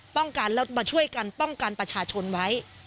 ป้องกันแล้วมาช่วยกันป้องกันประชาชนไว้